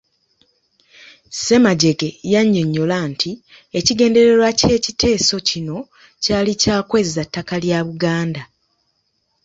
Ssemagyege yannyonnyola nti ekigendererwa ky’ekiteeso kino kyali kya kwezza ttaka lya Buganda.